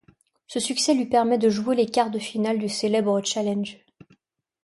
Ce succès lui permet de jouer les quarts de finale du célèbre Challenge.